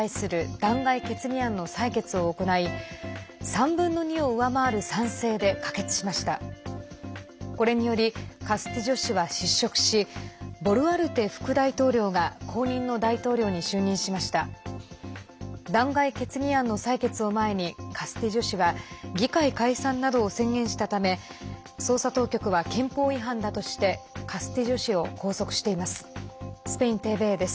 弾劾決議案の採決を前にカスティジョ氏は議会解散などを宣言したため捜査当局は憲法違反だとしてカスティジョ氏を拘束しています。